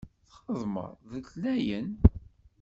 Txeddmeḍ d letnayen?